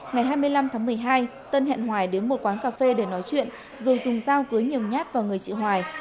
ngày hai mươi năm tháng một mươi hai tân hẹn hoài đến một quán cà phê để nói chuyện rồi dùng dao cứa nhiều nhát vào người chị hoài